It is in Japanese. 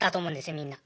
みんな。